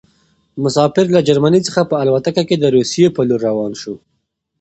مسافر له جرمني څخه په الوتکه کې د روسيې په لور روان شو.